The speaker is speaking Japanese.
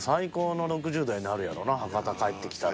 でも博多帰ってきたら。